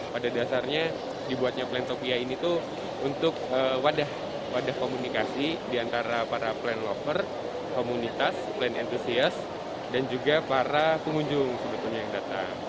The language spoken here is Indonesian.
pada dasarnya dibuatnya plantopia ini tuh untuk wadah komunikasi diantara para plan lover komunitas plan entusias dan juga para pengunjung sebetulnya yang datang